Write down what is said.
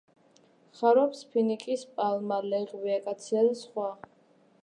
ხარობს ფინიკის პალმა, ლეღვი, აკაცია და სხვა.